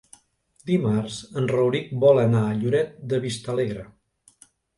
Dimarts en Rauric vol anar a Lloret de Vistalegre.